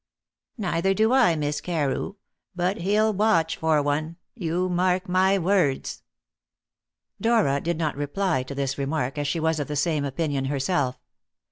"Neither do I, Miss Carew; but he'll watch for one, you mark my words." Dora did not reply to this remark, as she was of the same opinion herself.